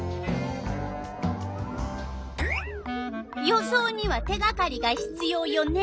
予想には手がかりがひつようよね。